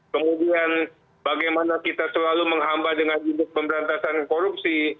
kemudian bagaimana kita selalu menghamba dengan hidup pemberantasan korupsi